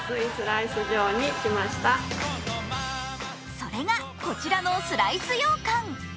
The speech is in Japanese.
それがこちらのスライスようかん。